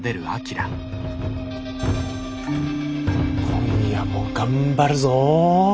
今夜も頑張るぞ。